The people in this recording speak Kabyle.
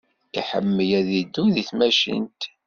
Iḥemmel ad iddu di tmacint.